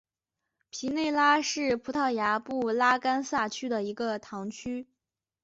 皮内拉是葡萄牙布拉干萨区的一个堂区。